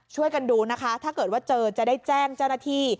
ช่วยกันดูนะคะถ้าเกิดว่าเจอจะได้แจ้งเจ้าหน้าที่